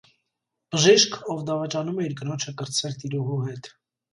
Բժիշկ, ով դավաճանում էր իր կնոջը կրտսեր տիրուհու հետ։